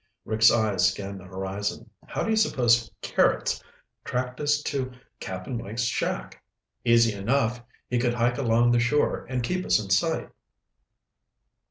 Rick's eyes scanned the horizon. "How do you suppose Carrots tracked us to Cap'n Mike's shack?" "Easy enough. He could hike along the shore and keep us in sight."